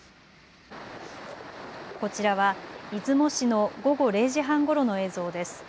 こちらは出雲市の午後０時半ごろの映像です。